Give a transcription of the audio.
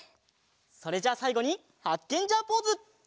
それじゃあさいごにハッケンジャーポーズ！